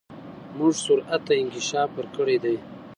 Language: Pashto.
موږ سرعت ته انکشاف ورکړی دی.